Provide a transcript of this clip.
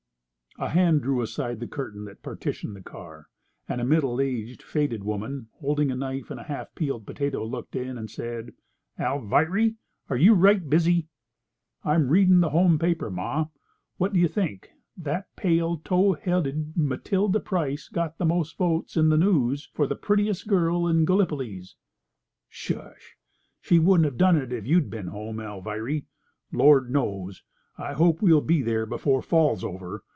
A hand drew aside the curtain that partitioned the car, and a middle aged, faded woman holding a knife and a half peeled potato looked in and said: "Alviry, are you right busy?" "I'm reading the home paper, ma. What do you think! that pale, tow headed Matilda Price got the most votes in the News for the prettiest girl in Gallipo—lees." "Shush! She wouldn't of done it if you'd been home, Alviry. Lord knows, I hope we'll be there before fall's over.